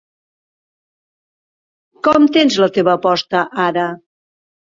Com tens la teva aposta ara?